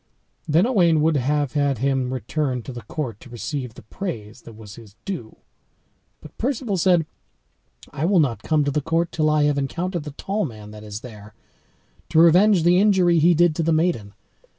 Then Owain would have had him return to the court to receive the praise that was his due; but Perceval said, "I will not come to the court till I have encountered the tall man that is there, to revenge the injury he did to the maiden.